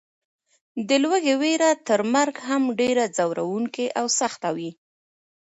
د لوږې وېره تر مرګ هم ډېره ځوروونکې او سخته وي.